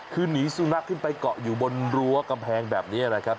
คือหนีสุนัขขึ้นไปเกาะอยู่บนรั้วกำแพงแบบนี้นะครับ